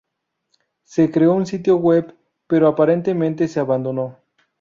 Se creó un sitio web, pero aparentemente se abandonó.